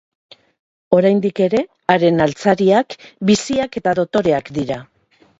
Oraindik ere, haren altzariak biziak eta dotoreak dira.